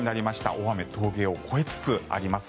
大雨、峠を越えつつあります。